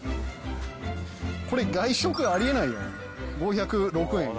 これ、外食ありえないよ、５０６円。